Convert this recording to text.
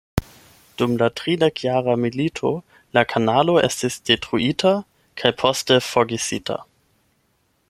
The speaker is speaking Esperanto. Dum la tridekjara milito la kanalo estis detruita kaj poste forgesita.